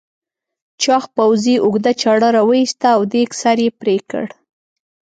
چاغ پوځي اوږده چاړه راوایسته او دېگ سر یې پرې کړ.